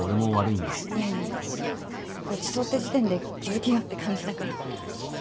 いやいやいやいやごちそうって時点で気付けよって感じだから。